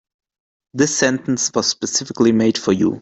This sentence was specifically made for you.